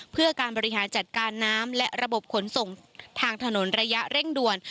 เพื่อการบริหารจัดการน้ำและระบบขนส่งทางถนนระยะเร่งด่วน